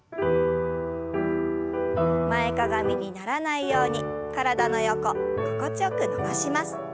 前かがみにならないように体の横心地よく伸ばします。